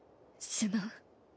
すまん。